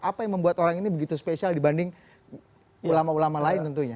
apa yang membuat orang ini begitu spesial dibanding ulama ulama lain tentunya